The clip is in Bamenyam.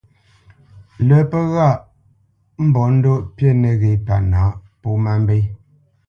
Lâ pə́ ghaʼ mbolendoʼ pí nəghé pâ nǎʼ pó má mbé.